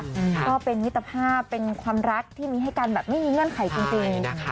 ก็เป็นมิตรภาพเป็นความรักที่มีให้กันแบบไม่มีเงื่อนไขจริงนะคะ